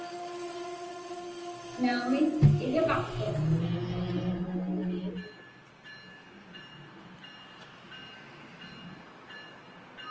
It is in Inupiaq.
Naumi, iviqaqtuq.